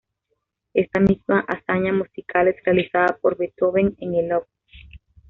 Esta misma hazaña musical es realizada por Beethoven en el op.